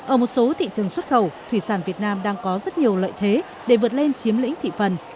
ở một số thị trường xuất khẩu thủy sản việt nam đang có rất nhiều lợi thế để vượt lên chiếm lĩnh thị phần